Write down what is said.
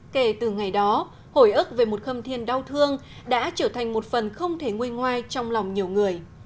kể từ ngày đó hồi ức về một khâm thiên đau thương đã trở thành một phần không thể ngôi ngoai trong lòng nhiều người